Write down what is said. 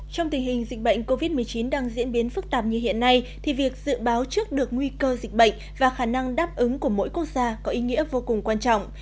trong tình hình dịch bệnh covid một mươi chín đang diễn biến phức tạp như hiện nay thì việc dự báo trước được nguy cơ dịch bệnh và khả năng đáp ứng của mỗi quốc gia có ý nghĩa vô cùng quan trọng